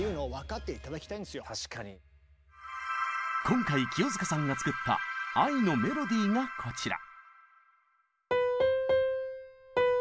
今回清塚さんが作った「愛のメロディー」がこちら。